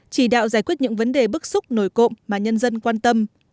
chỉ đạo giải quyết những vấn đề bức xúc nổi cộm mà nhân dân quan tâm